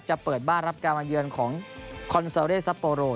จะเปิดบ้านรับกรรมเยือนของคอนโซเลสซาโปโร